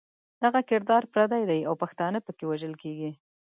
دغه کردار پردی دی او پښتانه پکې وژل کېږي.